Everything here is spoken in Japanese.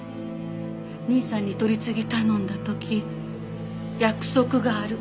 兄さんに取り次ぎ頼んだ時「約束がある」